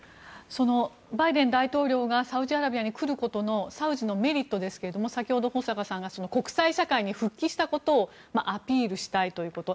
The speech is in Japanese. バイデン大統領がサウジアラビアに来ることのサウジのメリットですけれども先ほど保坂さんが国際社会に復帰したことをアピールしたいということ